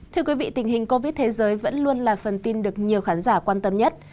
thưa quý vị tình hình covid thế giới vẫn luôn là phần tin được nhiều khán giả quan tâm nhất